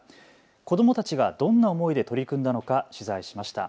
子どもたちがどんな思いで取り組んだのか取材しました。